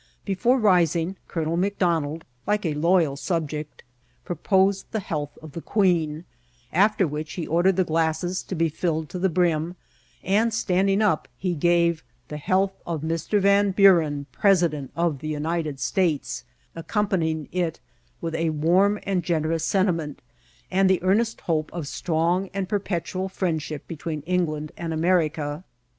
Before rising, Colonel McDonald, like a loyal subject, proposed the health of the Queen ; after which he ordered the glasses to be filled to the brim, and, standing up, he gave, ^^ The health of Mr. Van Buren, President of the United States," accom ^ panying it with a warm and generous sentiment, and the earnest hope of strong and perpetual friendship be tween England and America.